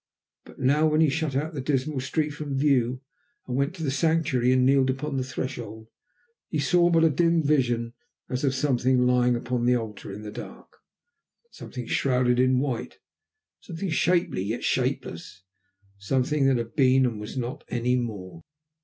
But now, when he shut out the dismal street from view, and went to the sanctuary and kneeled upon the threshold, he saw but a dim vision, as of something lying upon an altar in the dark, something shrouded in white, something shapely and yet shapeless, something that had been and was not any more.